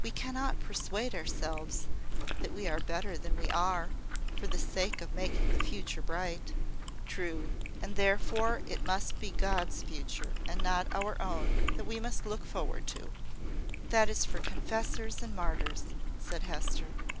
We cannot persuade ourselves that we are better than we are, for the sake of making the future bright." "True: and therefore it must be God's future, and not our own, that we must look forward to." "That is for confessors and martyrs," said Hester.